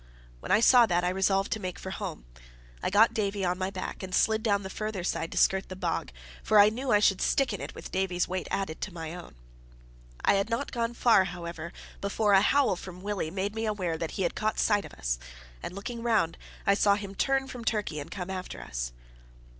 When I saw that, I resolved to make for home. I got Davie on my back, and slid down the farther side to skirt the bog, for I knew I should stick in it with Davie's weight added to my own. I had not gone far, however, before a howl from Willie made me aware that he had caught sight of us; and looking round, I saw him turn from Turkey and come after us.